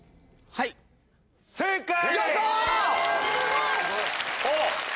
はい正解！